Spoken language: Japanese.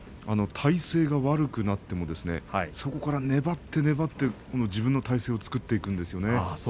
体勢が悪くなっても粘って粘って自分の体勢を作っていくんですね